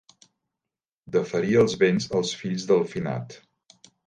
Deferir els béns als fills del finat.